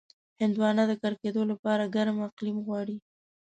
هندوانه د کر کېدو لپاره ګرم اقلیم غواړي.